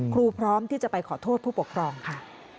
พร้อมที่จะไปขอโทษผู้ปกครองค่ะ